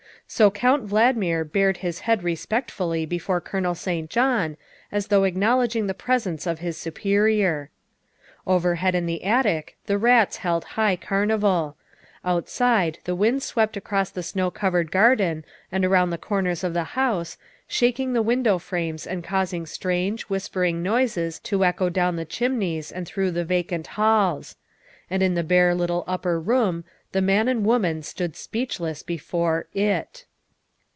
So Count Valdmir bared his head respectfully before Colonel St. John, as though acknowledging the presence of his superior. Overhead in the attic the rats held high carnival ; outside the wind swept across the snow covered garden and around the corners of the house, shaking the win dow frames and causing strange, whispering noises to echo down the chimneys and through the vacant halls; and in the bare little upper room the man and woman stood speechless before IT.